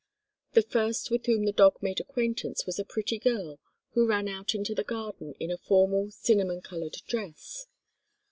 The first with whom the dog made acquaintance was a pretty girl, who ran out into the garden in a formal, cinnamon coloured dress.